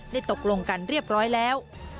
ตกลงกันเรียบร้อยแล้ว